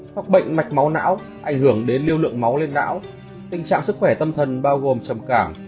hoặc bệnh mạch máu não ảnh hưởng đến lưu lượng máu lên não tình trạng sức khỏe tâm thần bao gồm trầm cảm